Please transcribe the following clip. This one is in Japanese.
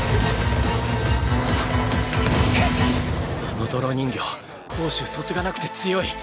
あの泥人形攻守そつがなくて強い！